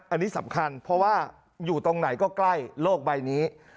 อันนี้สำคัญเพราะว่าอยู่ตรงไหนก็ใกล้โลกใบนี้